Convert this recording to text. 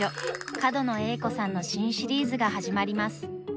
角野栄子さんの新シリーズが始まります。